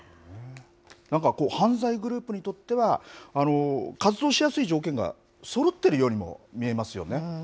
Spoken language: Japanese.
なんか犯罪グループにとっては、活動しやすい条件がそろってるようにも見えますよね。